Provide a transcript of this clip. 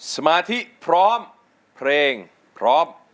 สมาธิพร้อมเพลงพร้อม